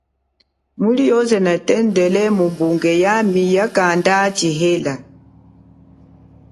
Yoze natondele, muli iye, bungeyami yanda chihela.